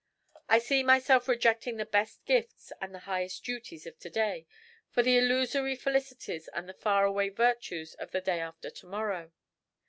I see myself rejecting the best gifts and the highest duties of To Day for the illusory felicities and the far away virtues of the Day After To Morrow.